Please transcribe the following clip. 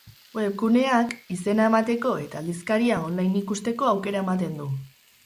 Webguneak izena emateko eta aldizkaria online ikusteko aukera ematen du.